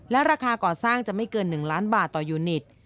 ราคาก่อสร้างจะไม่เกิน๑ล้านบาทต่อยูนิต